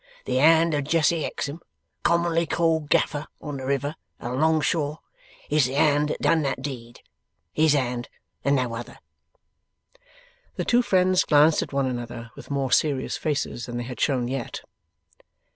The hand of Jesse Hexam, commonly called Gaffer on the river and along shore, is the hand that done that deed. His hand and no other.' The two friends glanced at one another with more serious faces than they had shown yet.